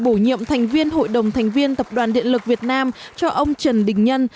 bổ nhiệm thành viên hội đồng thành viên tập đoàn điện lực việt nam cho ông trần đình nhân